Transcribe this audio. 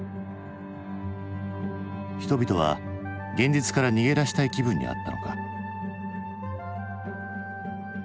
人々は現実から逃げ出したい気分にあったのか？